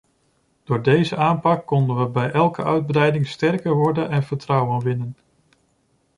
Door deze aanpak konden we bij elke uitbreiding sterker worden en vertrouwen winnen.